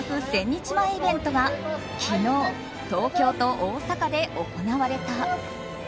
１０００日前イベントが昨日、東京と大阪で行われた。